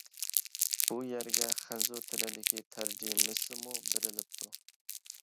بۇ يەرگە خەنزۇ تىلىدىكى تەرجىمىسىمۇ بېرىلىپتۇ.